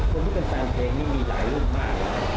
คนที่เป็นแฟนเพลงมีหลายรุ่นมาก